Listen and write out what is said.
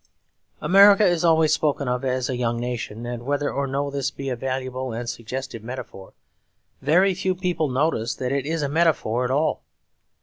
America is always spoken of as a young nation; and whether or no this be a valuable and suggestive metaphor, very few people notice that it is a metaphor at all.